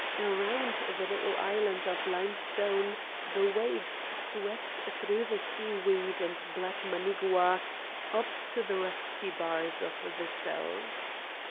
Around the little island of limestone the waves swept through the sea weed and black manigua up to the rusty bars of the cells.